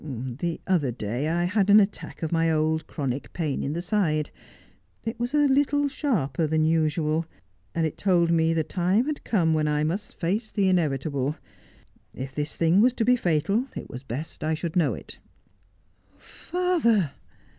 ' The other day I had an attack of my old chronic pain in the side. It was a little sharper than usual, and it told me the time had come when I must face the inevitable. If this thing was to be fatal, it was best I should know it.' 'Father!'